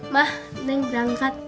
mah neng berangkat